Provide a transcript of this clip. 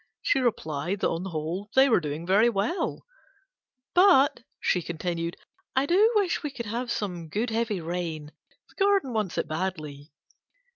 She replied that on the whole they were doing very well: "But," she continued, "I do wish we could have some good heavy rain: the garden wants it badly."